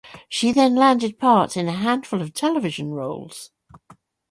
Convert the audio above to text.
She then landed parts in a handful of television roles.